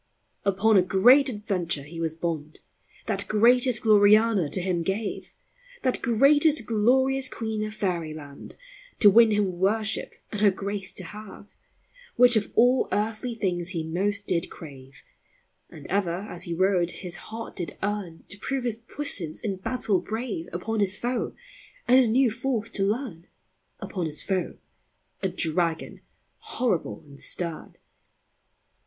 f Upon a great adventure he was bond, That greatest Gloriana to him gave, That greatest glorious queene of Faery lond, To winne him worshippe, and her grace to have, Which of all earthly thinges he most did crave : And ever, as he rode, his hart did earne To prove his puissance in battell brave * countenance. f dreaded. MYTHICAL: LEGENDARY. 109 Upon his foe, and his new force to learne ; Upon his foe, a Dragon horrible and stearne.